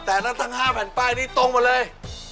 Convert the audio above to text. แต่ทั้ง๕แผ่นป้ายนี้ตรงหมดเลย